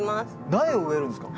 苗を植えるんですか？